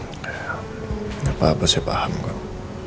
gak apa apa saya paham kamu